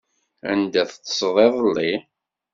Anda teṭṭseḍ iḍelli?